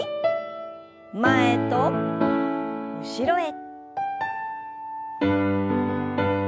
前と後ろへ。